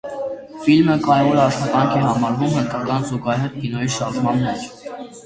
Ֆիլմը կարևոր աշխատանք է համարվում հնդկական զուգահեռ կինոյի շարժման մեջ։